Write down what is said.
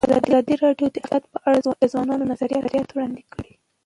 ازادي راډیو د اقتصاد په اړه د ځوانانو نظریات وړاندې کړي.